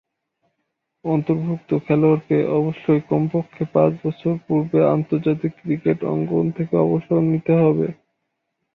অন্তর্ভুক্ত খেলোয়াড়কে অবশ্যই কমপক্ষে পাঁচ বছর পূর্বে আন্তর্জাতিক ক্রিকেট অঙ্গন থেকে অবসর নিতে হবে।